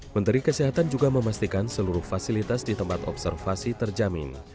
menteri kesehatan juga memastikan seluruh fasilitas di tempat observasi terjamin